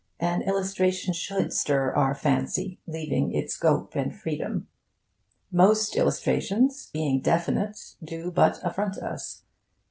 An illustration should stir our fancy, leaving it scope and freedom. Most illustrations, being definite, do but affront us.